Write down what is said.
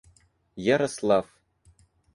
Ярослав